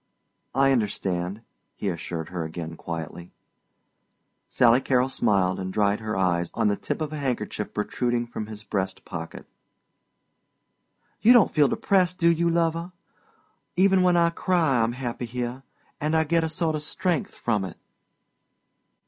"I understand," he assured her again quietly. Sally Carol smiled and dried her eyes on the tip of a handkerchief protruding from his breast pocket. "You don't feel depressed, do you, lover? Even when I cry I'm happy here, and I get a sort of strength from it."